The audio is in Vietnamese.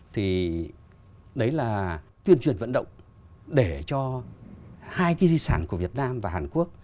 thì đấy là tuyên truyền vận động để cho hai cái di sản của việt nam và hàn quốc